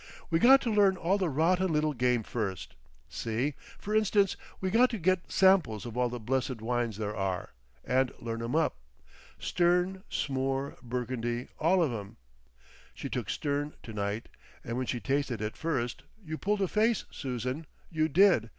"We got to learn all the rotten little game first. See, F'rinstance, we got to get samples of all the blessed wines there are—and learn 'em up. Stern, Smoor, Burgundy, all of 'em! She took Stern to night—and when she tasted it first—you pulled a face, Susan, you did.